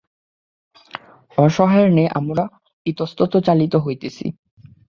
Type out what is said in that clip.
অসহায়ের ন্যায় আমরা ইতস্তত চালিত হইতেছি।